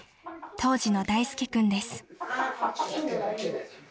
［当時の大介君です］